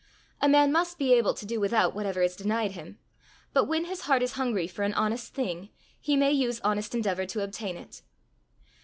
A man must be able to do without whatever is denied him, but when his heart is hungry for an honest thing, he may use honest endeavour to obtain it.